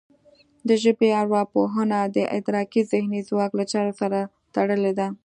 د ژبې ارواپوهنه د ادراکي ذهني ځواک له چارو سره تړلې ده